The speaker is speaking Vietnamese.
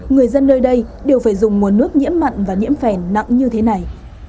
người dân nơi đây đều phải dùng nguồn nước nhiễm mặn và nhiễm phèn nặng như thế này